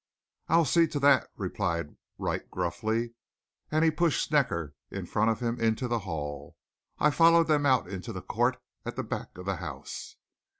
"I'll see to that," replied Wright gruffly, and he pushed Snecker in front of him into the hall. I followed them out into the court at the back of the house.